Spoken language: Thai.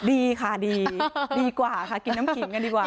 ดีค่ะดีดีกว่าค่ะกินน้ำขิงกันดีกว่า